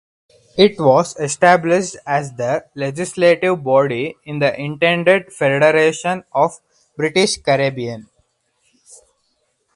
It was established as the legislative body in the intended federation of British Caribbean.